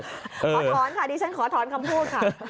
ขอถอนค่ะดิฉันขอถอนคำพูดค่ะ